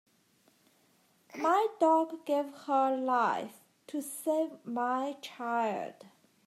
My dog gave her life to save my child.